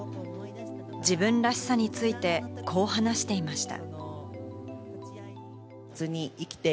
自分らしさについて、こう話していました。